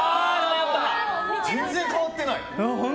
全然変わってない。